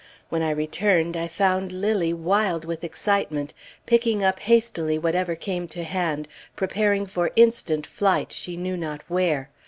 When I returned, I found Lilly wild with excitement, picking up hastily whatever came to hand, preparing for instant flight, she knew not where.